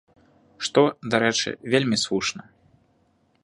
Што, дарэчы, вельмі слушна.